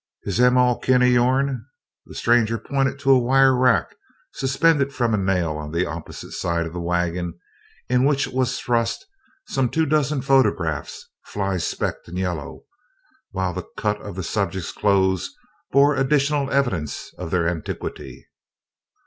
"Is them all kin o' yourn?" The stranger pointed to a wire rack suspended from a nail on the opposite side of the wagon in which was thrust some two dozen photographs, fly specked and yellow, while the cut of the subjects' clothes bore additional evidence of their antiquity.